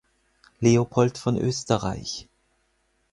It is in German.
Leopold von Österreich.